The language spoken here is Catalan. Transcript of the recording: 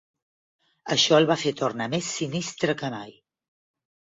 Això el va fer tornar més sinistre que mai.